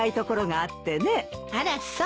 あらそう。